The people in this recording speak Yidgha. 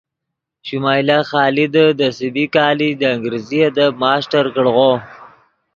شمائلہ خادے دے سی بی کالج دے انگریزی ادب ماسٹر کڑغو